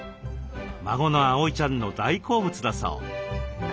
孫の碧ちゃんの大好物だそう。